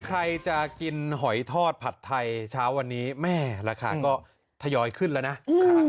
ใครจะกินหอยทอดผัดไทยเช้าวันนี้แม่ราคาก็ทยอยขึ้นแล้วนะ